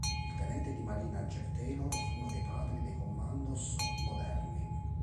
Il tenente di marina Jack Taylor fu uno dei padri dei commandos moderni.